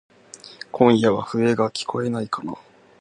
今夜は笛がきこえないかなぁ。